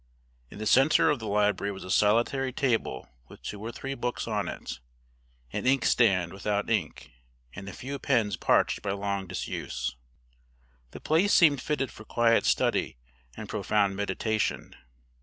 In the centre of the library was a solitary table with two or three books on it, an inkstand without ink, and a few pens parched by long disuse. The place seemed fitted for quiet study and profound meditation.